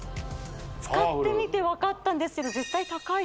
使ってみて分かったんですけど